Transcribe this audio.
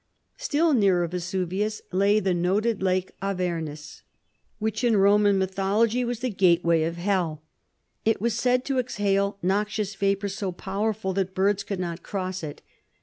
Still nearer Vesuvius lay the noted lake Avernus, which in Roman mythology was the gateway of hell. It was said to exhale noxious vapors so powerful that birds could not cross it.